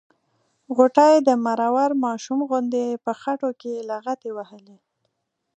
غوټۍ د مرور ماشوم غوندې په خټو کې لغتې وهلې.